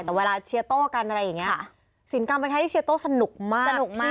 แต่เวลาเชียร์โต้กันอะไรอย่างเงี้ยสินกรรมไปใช้ที่เชียร์โต้สนุกมากสนุกมาก